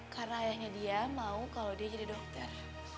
karena ayahnya dia mau kalau dia jadi dokter